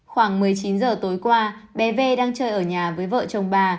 khoảng một mươi chín giờ tối qua bé v đang chơi ở nhà với vợ chồng bà